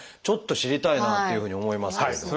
ちょっと知りたいなっていうふうに思いますけれど。